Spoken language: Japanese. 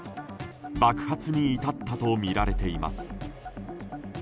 爆発に至ったとみられています。